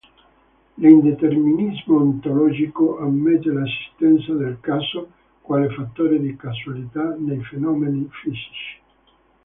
L'indeterminismo ontologico ammette l'esistenza del "caso" quale fattore di causalità nei fenomeni fisici.